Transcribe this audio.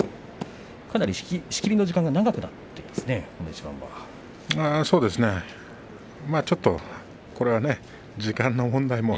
かなり仕切りの時間が長くなっていますね、この一番は。